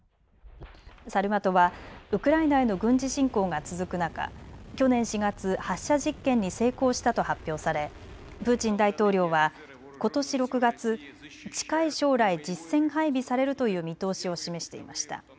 サルマトはウクライナへの軍事侵攻が続く中、去年４月、発射実験に成功したと発表されプーチン大統領はことし６月、近い将来、実戦配備されるという見通しを示していました。